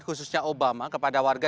khususnya obama kepada warga